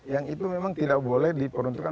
yang itu memang tidak boleh diperuntukkan